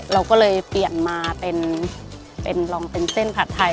เราก็เลยเปลี่ยนมาเป็นลองเป็นเส้นผัดไทย